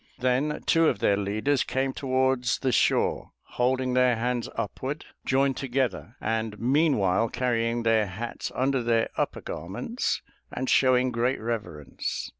Then two of their leaders came towards the shore, holding their hands upward joined together, and meanwhile carrying their hats under their upper garments and showing great reverence.